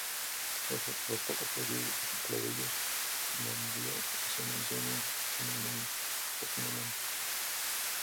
Los pocos plebeyos Manlio se mencionan sin ningún cognomen.